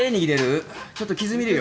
ちょっと傷見るよ。